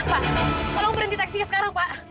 pak tolong berhenti teksinya sekarang pak